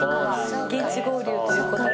現地合流ということで。